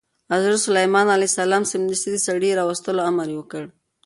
حضرت سلیمان علیه السلام سمدستي د سړي د راوستلو امر وکړ.